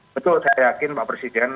betul saya yakin pak presiden